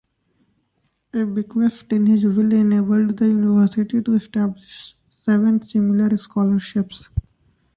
A bequest in his will enabled the university to establish seven similar scholarships.